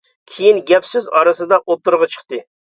كېيىن گەپ-سۆز ئارىسىدا ئوتتۇرىغا چىقتى.